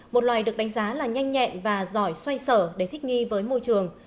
một loài được đánh giá là nhanh nhẹn và giỏi xoay sở để thích nghi với môi trường